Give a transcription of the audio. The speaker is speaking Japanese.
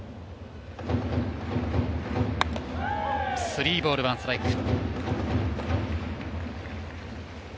スリーボールワンストライク。